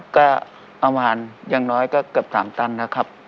ก็อำมาตย์อย่างน้อยก็เกือบ๓ตันครับ